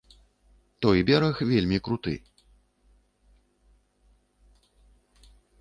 Той бераг вельмі круты.